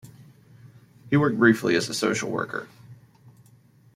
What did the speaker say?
He worked briefly as a social worker.